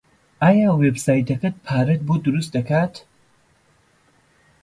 ئایا وێبسایتەکەت پارەت بۆ دروست دەکات؟